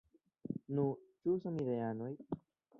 Nu, ĉu samideanoj?